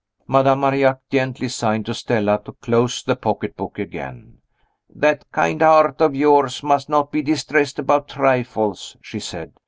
Madame Marillac gently signed to Stella to close the pocketbook again. "That kind heart of yours must not be distressed about trifles," she said.